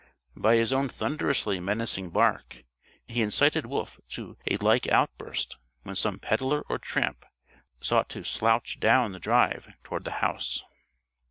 By his own thunderously menacing bark he incited Wolf to a like outburst when some peddler or tramp sought to slouch down the drive toward the house.